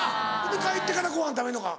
で帰ってからご飯食べるのか。